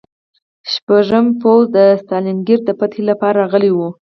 شپږم پوځ د ستالینګراډ د فتحې لپاره راغلی و